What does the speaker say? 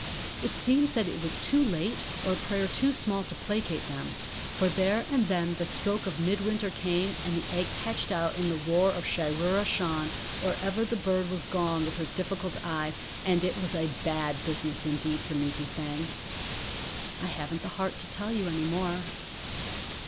It seems that it was too late or a prayer too small to placate them, for there and then the stroke of midwinter came and the eggs hatched out in the roar of Shiroora Shan or ever the bird was gone with her difficult eye and it was a bad business indeed for Neepy Thang; I haven't the heart to tell you any more.